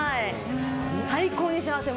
最高に幸せ。